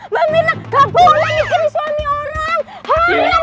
mbak mirna gak boleh mikirin suami orang